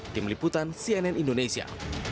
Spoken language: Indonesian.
tim liputan cnn indonesia